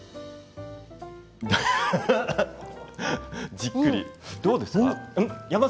じっくり、どうですか？